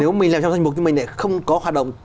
nếu mình làm trong danh mục như mình này không có hoạt động